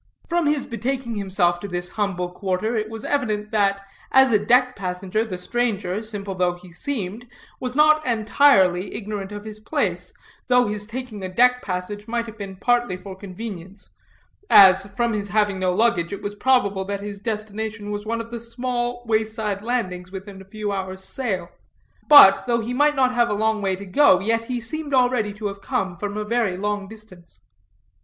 From his betaking himself to this humble quarter, it was evident that, as a deck passenger, the stranger, simple though he seemed, was not entirely ignorant of his place, though his taking a deck passage might have been partly for convenience; as, from his having no luggage, it was probable that his destination was one of the small wayside landings within a few hours' sail. But, though he might not have a long way to go, yet he seemed already to have come from a very long distance.